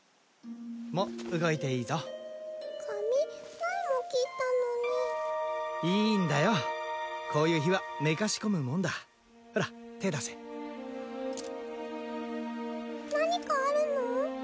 もう動いていいぞ髪前も切ったのにいいんだよこういう日はめかしこむもんだほら手出せ何かあるの？